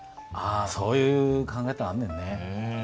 そういう考え方あんねんね。